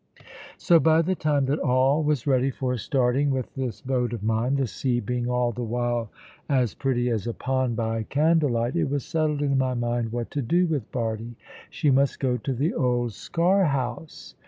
So by the time that all was ready for starting with this boat of mine, the sea being all the while as pretty as a pond by candle light, it was settled in my mind what to do with Bardie. She must go to the old Sker house.